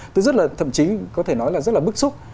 tôi rất là thậm chí có thể nói là rất là bức xúc